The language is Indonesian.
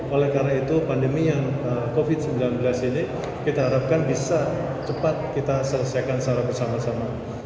oleh karena itu pandemi yang covid sembilan belas ini kita harapkan bisa cepat kita selesaikan secara bersama sama